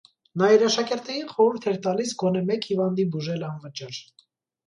Նա իր աշակերտներին խորհուրդ էր տալիս գոնե մեկ հիվանդի բուժել անվճար։